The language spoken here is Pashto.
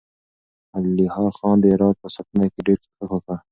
الهيار خان د هرات په ساتنه کې ډېر کوښښ وکړ.